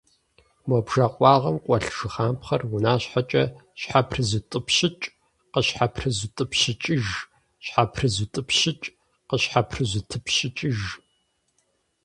Мо бжэ къуагъым къуэлъ жыхапхъэр унащхьэмкӀэ щхьэпрызутӀыпщыкӀ, къыщхьэпрызутӀыпщыкӀыж, щхьэпрызутӀыпщыкӀ, къыщхьэпрызутӀыпщыкӀыж.